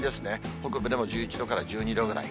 北部でも１１度から１２度ぐらい。